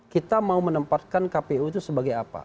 kita mau menempatkan kpu itu sebagai apa